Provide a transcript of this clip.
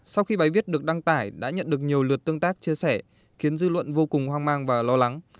sau khi bài viết được đăng tải đã nhận được nhiều lượt tương tác chia sẻ khiến dư luận vô cùng hoang mang và lo lắng